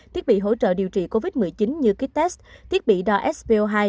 thiết bị hỗ trợ điều trị covid một mươi chín như kit test thiết bị đo spo hai